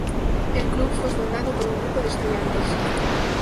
El club fue fundado por un grupo de estudiantes.